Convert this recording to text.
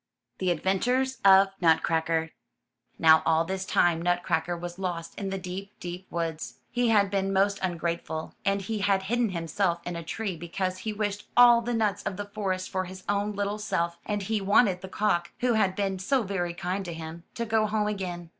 THE ADVENTURES OF NUTCRACKER Now all this time Nutcracker was lost in the deep, deep woods. He had been most ungrateful, and he 102 UP ONE PAIR OF STAIRS had hidden himself in a tree because he wished all the nuts of the forest for his own little self, and he wanted the cock, who had been so very kind to him, to go home again.